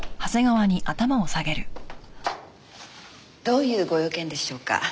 どういうご用件でしょうか？